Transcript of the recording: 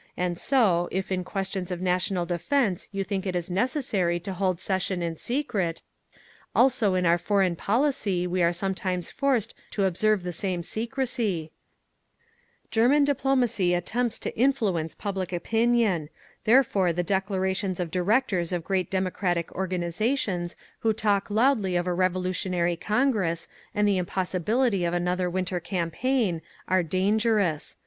And so, if in questions of national defence you think it is necessary to hold session in secret, also in our foreign policy we are sometimes forced to observe the same secrecy…. "German diplomacy attempts to influence public opinion…. Therefore the declarations of directors of great democratic organisations who talk loudly of a revolutionary Congress, and the impossibility of another winter campaign, are dangerous….